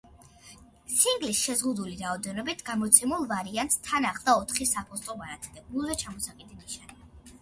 სინგლის შეზღუდული რაოდენობით გამოცემულ ვარიანტს თან ახლდა ოთხი საფოსტო ბარათი და გულზე ჩამოსაკიდი ნიშანი.